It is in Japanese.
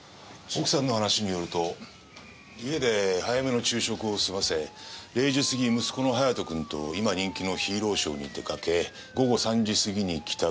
奥さんの話によると家で早めの昼食を済ませ０時過ぎ息子の隼人君と今人気のヒーローショーに出かけ午後３時過ぎに帰宅。